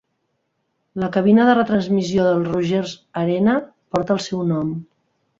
La cabina de retransmissió del Rogers Arena porta el seu nom.